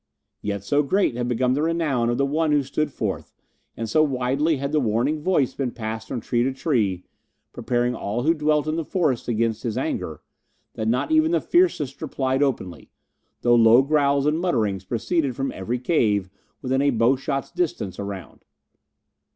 Yet so great had become the renown of the one who stood forth, and so widely had the warning voice been passed from tree to tree, preparing all who dwelt in the forest against his anger, that not even the fiercest replied openly, though low growls and mutterings proceeded from every cave within a bow shot's distance around.